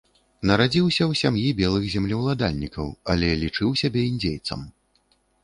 Нарадзіўся ў сям'і белых землеўладальнікаў, але лічыў сябе індзейцам.